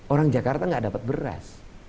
orang jakarta tidak dapat beras